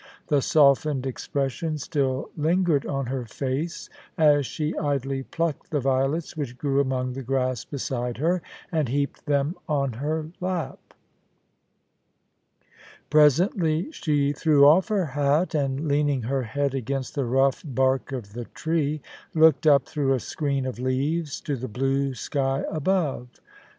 The softened expression still lingered on her face as she idly plucked the violets which grew among the grass beside her, and heaped them on her lap. Presently she threw off" her hat, and leaning her head against the rough bark of the tree, looked up through a screen of leaves to the blue sky above.